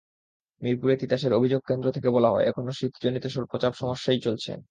মিরপুরে তিতাসের অভিযোগ কেন্দ্র থেকে বলা হয়, এখনো শীতজনিত স্বল্পচাপ সমস্যাই চলছে।